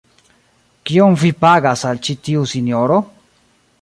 Kiom vi pagas al ĉi tiu sinjoro?